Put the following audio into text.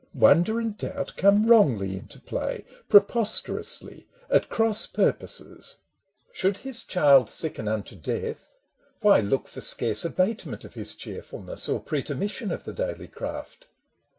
Wonder and doubt come wrongly into play, Preposterously, at cross purposes. Should his child sicken unto death, — why, look For scarce abatement of his cheerfulness, Or pretermission of the daily craft